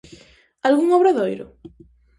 Algún obradoiro?